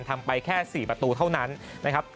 ทำไปแค่๔ประตูเท่านั้นนะครับ